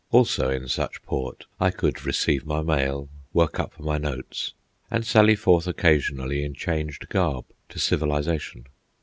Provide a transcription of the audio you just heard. Also in such port I could receive my mail, work up my notes, and sally forth occasionally in changed garb to civilisation.